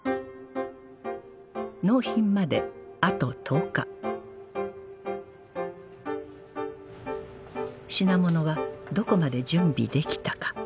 納品まであと１０日品物はどこまで準備できたか